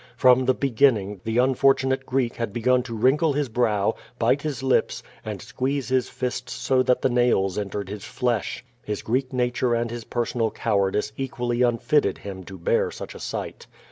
From the beginning, the unfortunate Greek had begun to wrinkle his brow, bite his lips, and squeeze his fists so that the nails entered his flesh. His Greek nature and his personal cow ardice equally unfitted him to bear such a sight.